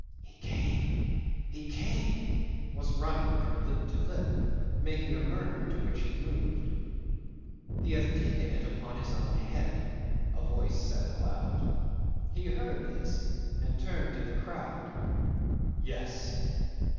'"He came! He came!" was running from lip to lip, making a murmur to which he moved. "He hath taken it upon his own head," a voice said aloud. He heard this and turned to the crowd. "Yes.